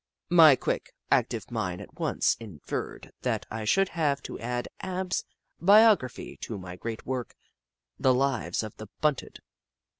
My quick, active mind at once inferred that I should have to add Ab's biography to my great work : The Lives of the Btmted.